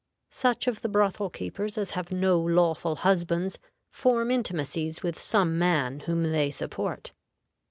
Such of the brothel keepers as have no lawful husbands form intimacies with some man whom they support.